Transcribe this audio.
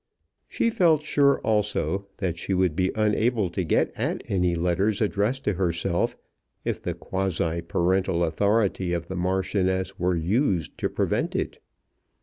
She felt sure also that she would be unable to get at any letters addressed to herself if the quasi parental authority of the Marchioness were used to prevent it.